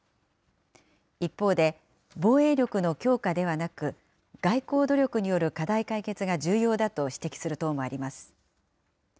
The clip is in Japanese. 一方で防衛力の強化ではなく、外交努力による課題解決が重要だと指摘する党もあります。